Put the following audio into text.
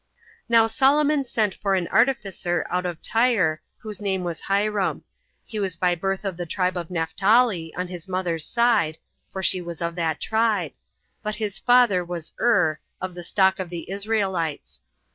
4. Now Solomon sent for an artificer out of Tyre, whose name was Hiram; he was by birth of the tribe of Naphtali, on the mother's side, [for she was of that tribe,] but his father was Ur, of the stock of the Israelites.